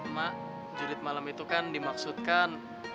mak julid malam itu kan dimaksudkan